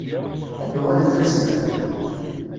Ad d-uɣalent azekka?